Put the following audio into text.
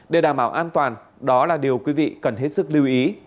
để đảm bảo an toàn đó là điều quý vị cần hết sức lưu ý